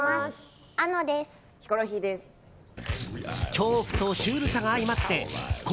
恐怖とシュールさが相まって怖